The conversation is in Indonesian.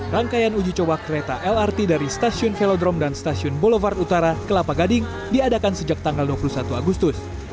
rangkaian uji coba kereta lrt dari stasiun velodrome dan stasiun boulevard utara kelapa gading diadakan sejak tanggal dua puluh satu agustus